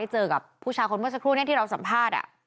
เจอกับผู้ชายคนเมื่อสักครู่นี้ที่เราสัมภาษณ์